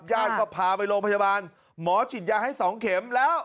ครับญาติก็พาไปโรงพยาบาลหมอจิตยาให้สองเข็มแล้ว